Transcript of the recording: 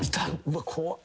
うわ怖っ。